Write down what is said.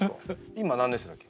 今何年生だっけ？